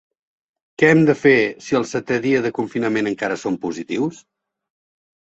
Què hem de fer si el setè dia de confinament encara som positius?